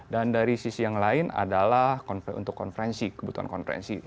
dan dari sisi yang lain adalah untuk konferensi kebutuhan konferensi